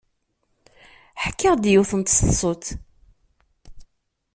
Ḥkiɣ-d yiwet n tseḍsut.